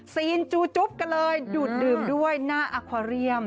ซีนจูจุ๊บกันเลยดูดดื่มด้วยหน้าอาคอเรียม